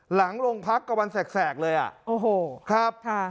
หลังโรงพักกว่าวันแสกแสกเลยอ่ะโอ้โหครับค่ะ